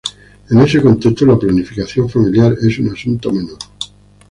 En ese contexto la planificación familiar es un asunto menor.